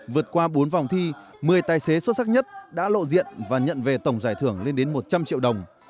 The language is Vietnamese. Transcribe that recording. vượt qua bốn vòng thi một mươi tài xế xuất sắc nhất đã lộ diện và nhận về tổng giải thưởng lên đến một trăm linh triệu đồng